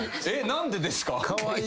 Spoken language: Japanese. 何でですか？